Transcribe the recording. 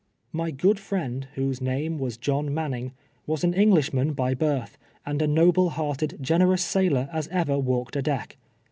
My good friend, Avliose name was Jolm ]\rauning, was an l']nu lis]iman ]>y Lirlli, and a noble liearted, generous sailor as ever walked a deek.